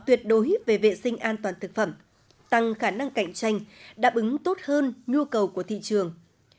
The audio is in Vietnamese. tuyệt đối về vệ sinh an toàn thực phẩm tăng khả năng cạnh tranh đáp ứng tốt hơn nhu cầu của thị trường